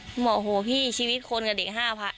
บอกโอ้โหพี่ชีวิตคนกับเด็ก๕๐๐